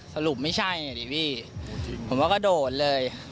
สรุปไม่ใช่ผมว่าก็โดนเลย